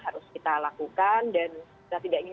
harus kita lakukan dan kita tidak ingin